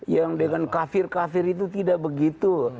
yang dengan kafir kafir itu tidak begitu